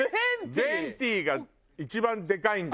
ベンティが一番でかいんだ。